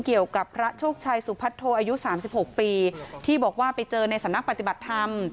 เกี่ยวกับพระโชคชัยสุพัทโทอายุ๓๖ปีที่บอกว่าไปเจอในสำนักปฏิบัติธรรม